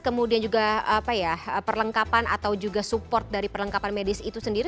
kemudian juga perlengkapan atau juga support dari perlengkapan medis itu sendiri